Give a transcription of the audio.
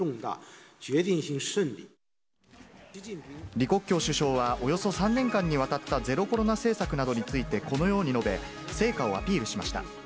李克強首相は、およそ３年間にわたったゼロコロナ政策などについてこのように述べ、成果をアピールしました。